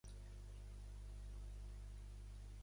Però jo els recordo que estem parlant de drets humans.